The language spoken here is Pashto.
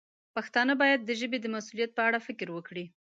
پښتانه باید د ژبې د مسوولیت په اړه فکر وکړي.